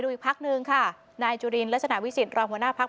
ดูอีกพักนึงค่ะนายจุฬินและสนาวิสิทธิ์รอบหัวหน้าพลักษณ์